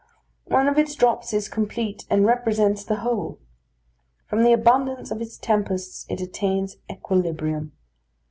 One of its drops is complete, and represents the whole. From the abundance of its tempests, it attains equilibrium.